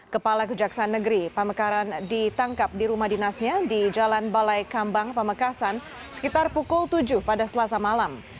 kepala kejaksaan negeri pamekaran ditangkap di rumah dinasnya di jalan balai kambang pamekasan sekitar pukul tujuh pada selasa malam